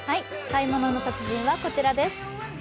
「買い物の達人」はこちらです。